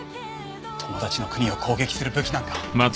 友達の国を攻撃する武器なんか！